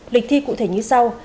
lịch thi cụ thể như sau